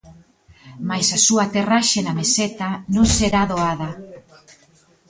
Mais a súa aterraxe na meseta non será doada.